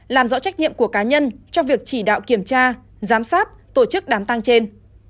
làm rõ trách nhiệm của cá nhân trong việc chỉ đạo kiểm tra giám sát tổ chức đám tăng trên